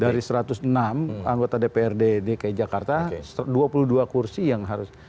dari satu ratus enam anggota dprd dki jakarta dua puluh dua kursi yang harus